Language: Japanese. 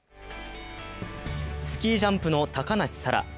スキージャンプの高梨沙羅。